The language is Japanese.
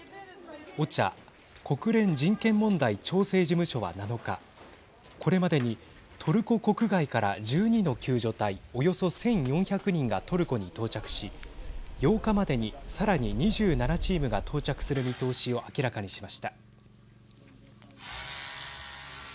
ＯＣＨＡ＝国連人権問題調整事務所は７日これまでにトルコ国外から１２の救助隊およそ１４００人がトルコに到着し８日までにさらに２７チームが到着する見通しを明らかにしました。